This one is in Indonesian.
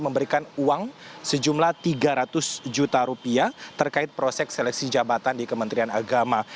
memberikan uang sejumlah tiga ratus juta rupiah terkait proses seleksi jabatan di kementerian agama